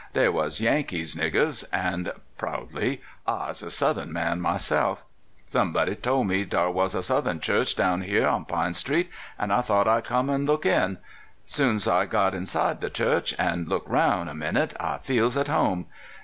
Dey was Yankees' niggers, an' [proudly] I's a Southern man m3^self . Sumbody tole me dar was a Southern Church down here on Pine Street, an' I thought Pd cum an' look in. Soon's I got inside de church, an' look roun' a minit, I feels at home.